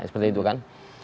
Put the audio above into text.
seperti itu kan